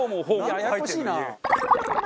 ややこしいな。